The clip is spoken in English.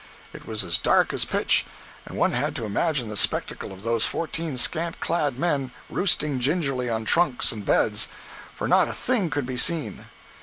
It was as dark as pitch, and one had to imagine the spectacle of those fourteen scant clad men roosting gingerly on trunks and beds, for not a thing could be seen.